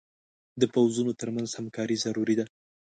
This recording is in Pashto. د پوځونو تر منځ همکاري ضروري ده.